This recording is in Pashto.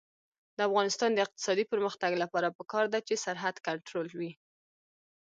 د افغانستان د اقتصادي پرمختګ لپاره پکار ده چې سرحد کنټرول وي.